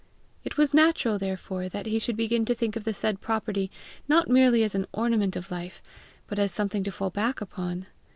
It was natural, therefore, that he should begin to think of the said property not merely as an ornament of life, but as something to fall back upon.